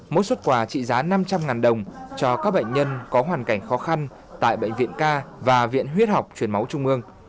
mỗi xuất quà trị giá năm trăm linh đồng cho các bệnh nhân có hoàn cảnh khó khăn tại bệnh viện ca và viện huyết học truyền máu trung ương